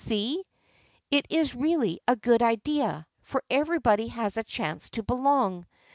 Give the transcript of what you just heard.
See ? It is really a good idea, for everybody has a chance to belong.